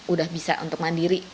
udah bisa untuk mandiri